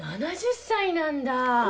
７０歳なんだ！